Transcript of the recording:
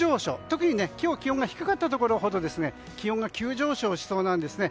特に今日気温が低かったところほど気温が急上昇しそうなんですね。